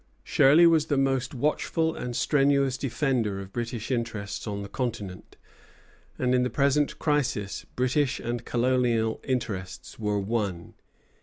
Shirley was the most watchful and strenuous defender of British interests on the continent; and in the present crisis British and colonial interests were one.